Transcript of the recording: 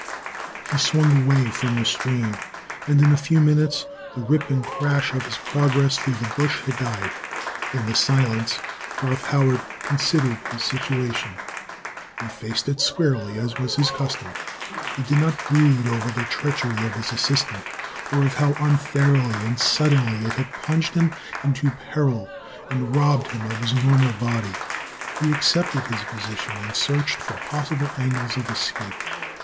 He swung away from the stream, and in a few minutes the rip and crash of his progress through the bush had died. In the silence, Garth Howard considered his situation. He faced it squarely, as was his custom. He did not brood over the treachery of his assistant, or of how unfairly and suddenly it had plunged him into peril and robbed him of his normal body. He accepted his position and searched for possible angles of escape.